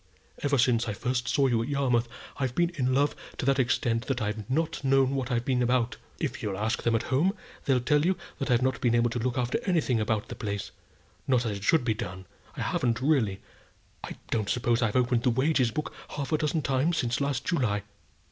Ever since I first saw you at Yarmouth, I've been in love to that extent that I've not known what I've been about. If you'll ask them at home, they'll tell you that I've not been able to look after anything about the place, not as it should be done. I haven't really. I don't suppose I've opened the wages book half a dozen times since last July."